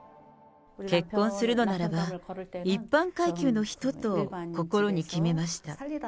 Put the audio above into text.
結婚するのならば、一般階級の人と、心に決めました。